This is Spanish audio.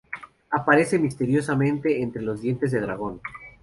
Aparece misteriosamente entre los dientes del dragón.